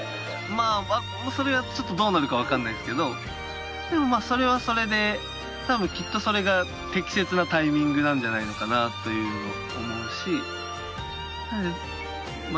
まあそれはちょっとどうなるかわからないですけどでもそれはそれで多分きっとそれが適切なタイミングなんじゃないのかなというのも思うしま